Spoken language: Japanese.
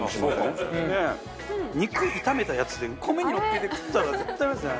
カズレーザー：肉、炒めたやつで米にのっけて食ったら絶対うまいですね。